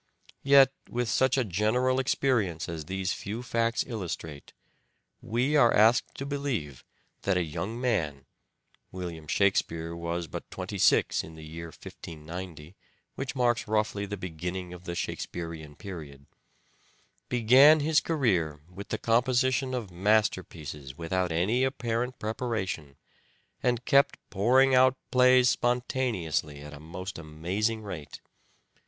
Yet, with such a general experience as these few facts illustrate, we are asked to believe that a young man — William Shakspere was but twenty six in the year 1590, which marks roughly the beginning of the Shakespearean period — began his career with the composition of masterpieces without any apparent preparation, and kept pouring out plays spontaneously at a most amazing rate.